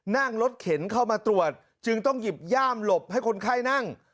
นั่งรถเข็นเข้ามาตรวจจึงต้องหยิบย่ามหลบให้คนไข้นั่ง